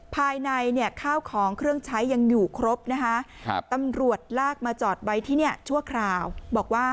ภายในเนี้ยข้าวของเครื่องใช้ยังอยู่ครบนะคะครับ